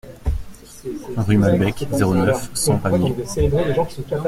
Rue Malbec, zéro neuf, cent Pamiers